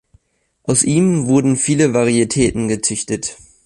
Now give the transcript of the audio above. Aus ihm wurden viele Varietäten gezüchtet.